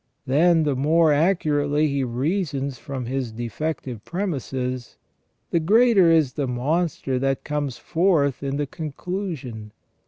Then the more accurately he reasons from his defective premises, the greater is the monster that comes forth in the con clusion.